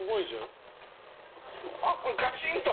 あっこれガチンと。